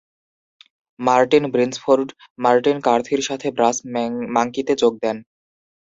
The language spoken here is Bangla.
মার্টিন ব্রিন্সফোর্ড, মার্টিন কার্থির সাথে ব্রাস মাঙ্কিতে যোগ দেন।